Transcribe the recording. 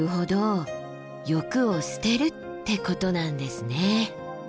「欲を捨てる」ってことなんですね。